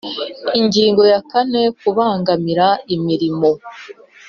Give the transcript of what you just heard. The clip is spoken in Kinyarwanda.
Ingingo ya kane Kubangamira imirimo